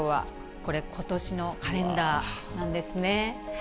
これことしのカレンダーなんですね。